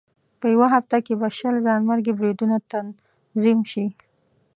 په یوه هفته کې به شل ځانمرګي بریدونه تنظیم شي.